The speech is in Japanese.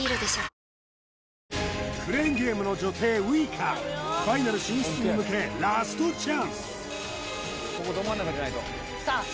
クレーンゲームの女帝ウイカファイナル進出に向けラストチャンスさあ